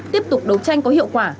tiếp tục đấu tranh có hiệu quả